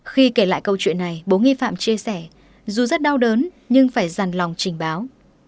khi kể lại câu chuyện này bố nghi phạm chia sẻ dù rất đau đớn nhưng phải dàn lòng trình báo